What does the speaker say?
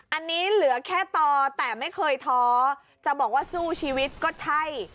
อันนี้เหลือแค่ต่อแต่ไม่เคยท้อจะบอกว่าสู้ชีวิตก็ใช่